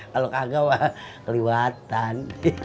kalau kagak wah kelewatan